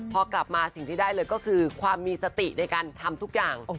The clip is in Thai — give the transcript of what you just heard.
พอกลับมาสิ่งที่ได้เลยก็คือความมีสติในการทำทุกอย่าง